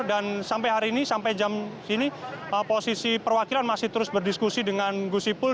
dan sampai hari ini sampai jam ini posisi perwakilan masih terus berdiskusi dengan gusipul